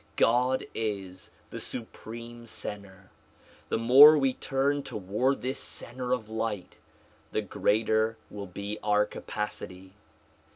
God is the supreme center. The more we turn toward this center of light, the greater will be our capacity.